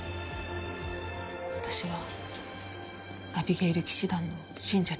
私はアビゲイル騎士団の信者になりました。